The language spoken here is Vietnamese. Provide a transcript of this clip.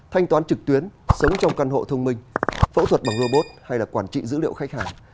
thanh toán trực tuyến sống trong căn hộ thông minh phẫu thuật bằng robot hay là quản trị dữ liệu khách hàng